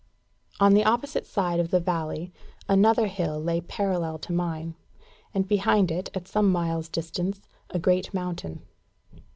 On the opposite side the valley, another hill lay parallel to mine; and behind it, at some miles' distance, a great mountain.